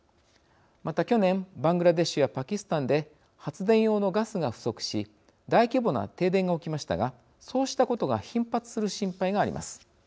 また、去年バングラデシュやパキスタンで発電用のガスが不足し大規模な停電が起きましたがそうしたことが頻発する心配があります。